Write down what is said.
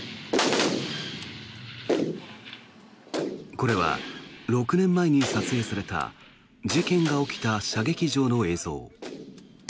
これは６年前に撮影された事件が起きた射撃場の映像。